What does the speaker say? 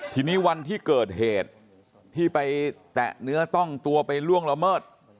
ทีนี้วันที่เกิดเหตุที่ไปแตะเนื้อต้องตัวไปล่วงละเมิด